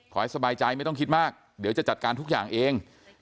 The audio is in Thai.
สบายใจไม่ต้องคิดมากเดี๋ยวจะจัดการทุกอย่างเอง